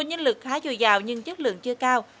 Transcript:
nhân lực khá dồi dào nhưng chất lượng chưa cao